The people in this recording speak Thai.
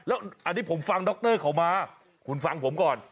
แล้วอันนี้ผมฟังดรเขามาคุณฟังผมก่อน